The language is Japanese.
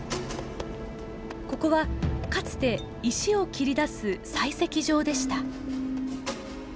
ここはかつて石を切り出す採石場でした。